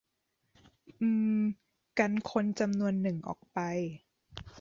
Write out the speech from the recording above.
อืม กันคนจำนวนหนึ่งออกไป